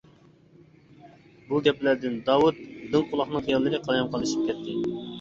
بۇ گەپلەردىن داۋۇت دىڭ قۇلاقنىڭ خىياللىرى قالايمىقانلىشىپ كەتتى.